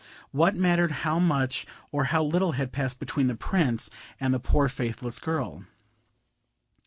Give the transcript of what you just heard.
What mattered how much or how little had passed between the Prince and the poor faithless girl?